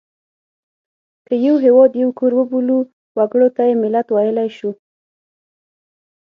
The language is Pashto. که یو هېواد یو کور وبولو وګړو ته یې ملت ویلای شو.